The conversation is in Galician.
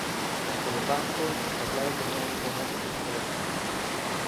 Polo tanto, está claro que non hai ningún éxito que vender.